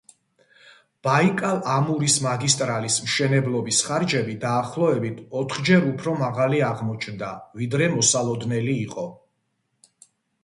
ბაიკალ-ამურის მაგისტრალის მშენებლობის ხარჯები დაახლოებით ოთხჯერ უფრო მაღალი აღმოჩნდა, ვიდრე მოსალოდნელი იყო.